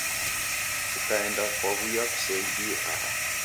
Kukaenda kaw'uya kuseidie aha.